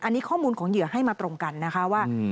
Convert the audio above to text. อันนี้ข้อมูลของเหยื่อให้มาตรงกันนะคะว่า